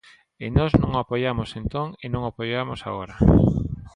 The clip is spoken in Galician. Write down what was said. E nós non o apoiamos entón e non o apoiamos agora.